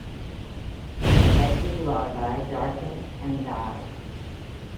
Infected larvae darken and die.